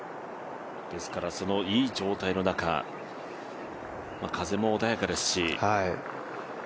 いい状態の中、風も穏やかですし。